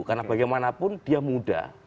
karena bagaimanapun dia muda